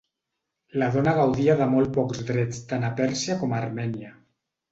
La dona gaudia de molt pocs drets tant a Pèrsia com a Armènia.